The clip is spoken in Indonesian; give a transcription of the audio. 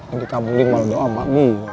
ini kamu yang mau doa pak